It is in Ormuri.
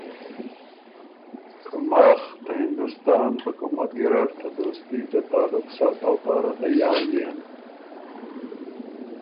که ماخ ته هندوستان حکومت ګیرډ ته دوستي ته تعلق ساتؤ پاره تیار يېن۔